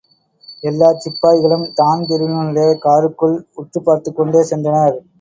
எல்லாச் சிப்பாய்களும் தான்பிரீனுடைய காருக்குள் உற்றுப் பார்த்துக் கொண்டே சென்றனர்.